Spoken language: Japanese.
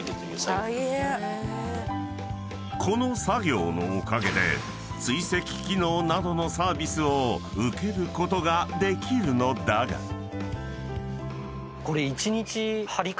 ［この作業のおかげで追跡機能などのサービスを受けることができるのだが］え！